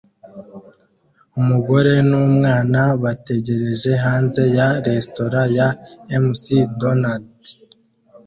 Umugore n'umwana bategereje hanze ya resitora ya McDonald